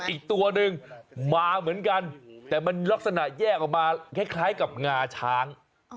อีกตัวหนึ่งมาเหมือนกันแต่มันลักษณะแยกออกมาคล้ายกับงาช้าง